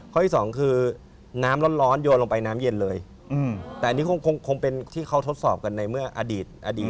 ข้อที่สองคือน้ำร้อนโยนลงไปน้ำเย็นเลยแต่อันนี้คงเป็นที่เขาทดสอบกันในเมื่ออดีตอดีต